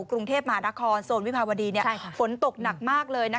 กรุงเทพมหานครโซนวิภาวดีฝนตกหนักมากเลย